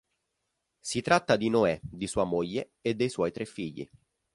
Si tratta di Noè, di sua moglie e dei suoi tre figli.